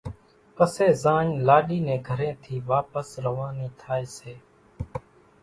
پسيَ زاڃ لاڏِي نين گھرين ٿِي واپس روانِي ٿائيَ سي۔